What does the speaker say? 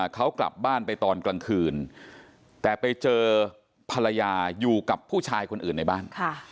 เขากลับบ้านไปตอนกลางคืนแต่ไปเจอภรรยาอยู่กับผู้ชายคนอื่นในบ้าน